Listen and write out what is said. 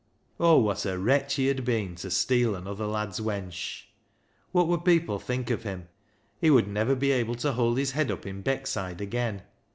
Oh, what a wretch he had been to steal another lad's wench ! What would people think of him ? He would never be able to hold his head up in Beckside again.